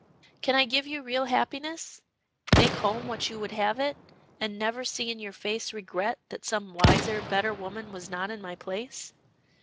Can I give you real happiness? make home what you would have it? and never see in your face regret that some wiser, better woman was not in my place?"